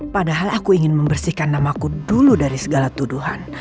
padahal aku ingin membersihkan namaku dulu dari segala tuduhan